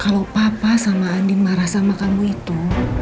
kalau papa sama adi marah sama kamu itu